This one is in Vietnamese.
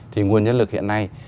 thì nguồn nhân lực hiện nay